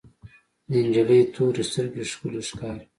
د انجلۍ تورې سترګې ښکلې ښکاري.